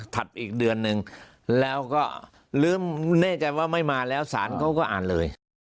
อีกเดือนนึงแล้วก็ลืมแน่ใจว่าไม่มาแล้วสารเขาก็อ่านเลย